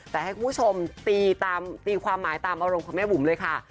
แต่ให้คุณผู้ชมตีความหมายตามอารมณ์ของแม่บุ๋มเลยค่ะ